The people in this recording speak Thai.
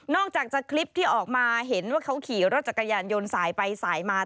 อกจากจะคลิปที่ออกมาเห็นว่าเขาขี่รถจักรยานยนต์สายไปสายมา